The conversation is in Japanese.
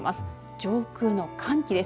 上空の寒気です。